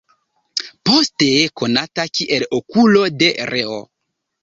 Poste konata kiel "Okulo de Reo".